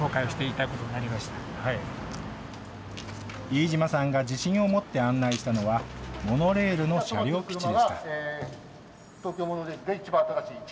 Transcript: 飯嶋さんが自信を持って案内したのは、モノレールの車両基地でした。